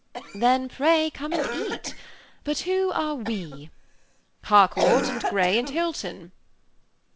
"Then pray come and eat; but who are we? " "Harcourt, and Grey, and Hilton."